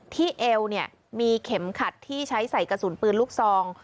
เอวมีเข็มขัดที่ใช้ใส่กระสุนปืนลูกซอง